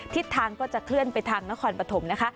ทิศทางก็จะเคลื่อนไปทางนครปฐมนะคะ